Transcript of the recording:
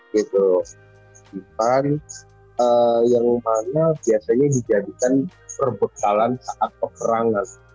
yang mana biasanya dijadikan perbukalan saat pekerangan